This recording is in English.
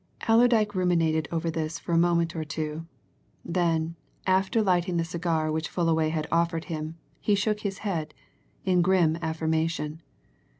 Allerdyke ruminated over this for a moment or two. Then, after lighting the cigar which Fullaway had offered him, he shook his head in grim affirmation.